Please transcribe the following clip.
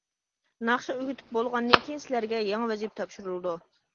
ناخشا ئۆگىتىپ بولغاندىن كېيىن سىلەرگە يېڭى ۋەزىپە تاپشۇرۇلىدۇ.